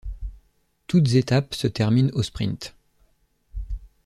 Toutes étapes se terminent au sprint.